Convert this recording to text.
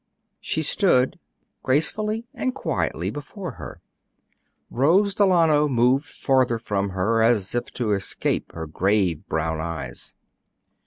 She stood gracefully and quietly before her. Rose Delano moved farther from her, as if to escape her grave brown eyes.